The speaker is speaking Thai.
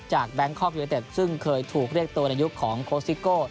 จากแบงค์คอล์กเยอร์เตศซึ่งเคยถูกเรียกตัวในยุคของโคสิโก้